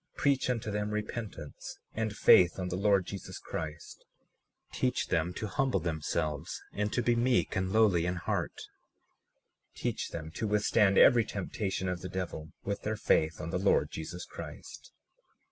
37:33 Preach unto them repentance, and faith on the Lord Jesus Christ; teach them to humble themselves and to be meek and lowly in heart; teach them to withstand every temptation of the devil, with their faith on the Lord Jesus Christ.